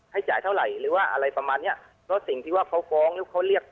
จ่ายเท่าไหร่หรือว่าอะไรประมาณเนี้ยแล้วสิ่งที่ว่าเขาฟ้องหรือเขาเรียก